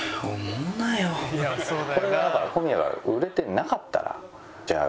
これがだから小宮が売れてなかったらじゃあ